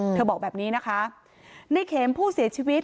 บอกแบบนี้นะคะในเข็มผู้เสียชีวิต